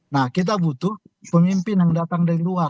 nah kita butuh pemimpin yang datang dari luar